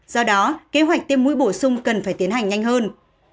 do đó kế hoạch tiêm mũi bổ sung cần phải tiến hành nhanh hơn